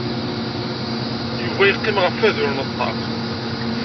Yuba yeqqim ɣef wadur n ṭṭaq.